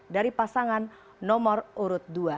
dari pasangan nomor urut dua